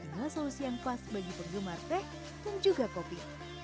inilah solusi yang pas bagi penggemar teh dan juga kopi